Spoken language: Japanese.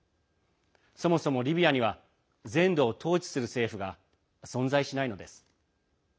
そもそもリビアには、全土を統治する政府が存在しないのです。